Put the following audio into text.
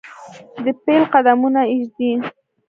دپیل قدمونه ایږدي